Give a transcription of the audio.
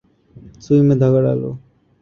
سوئی میں دھاگہ ڈالو